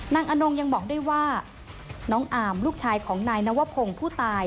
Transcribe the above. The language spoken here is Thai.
อนงยังบอกด้วยว่าน้องอามลูกชายของนายนวพงศ์ผู้ตาย